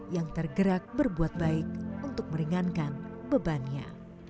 yang tergerak berbuat baik untuk meringankan bebannya